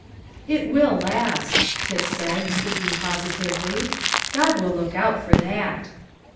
"It will last," Tip said, speaking positively. "God will look out for that."